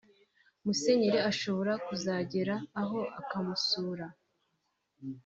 “Musenyeri ashobora kuzagera aho akamusura